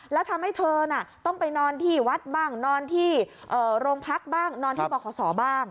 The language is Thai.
แล้วทำให้เธอน่ะต้องไปนอนที่วัดบ้างนอนที่โรงพักบ้างนอนที่บขบ้าง